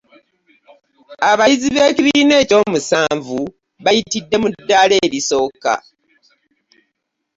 Abayizi abekibiina ekyomusanvu bayitidde mu ddaala elisooka.